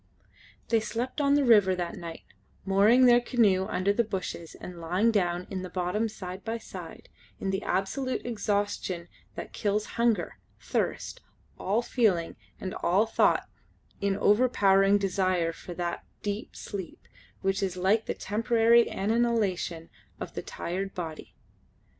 They slept on the river that night, mooring their canoe under the bushes and lying down in the bottom side by side, in the absolute exhaustion that kills hunger, thirst, all feeling and all thought in the overpowering desire for that deep sleep which is like the temporary annihilation of the tired body.